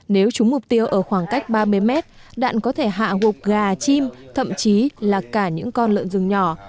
nếu chúng mục tiêu ở khoảng cách ba mươi mét đạn có thể hạ gục gà chim thậm chí là cả những con lợn rừng nhỏ